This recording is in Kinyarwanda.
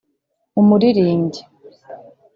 umuririmbyi